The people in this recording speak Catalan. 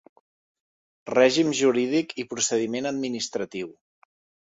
Règim jurídic i procediment administratiu.